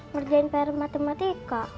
merjain pr matematika